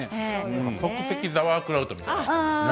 即席ザワークラウトみたい。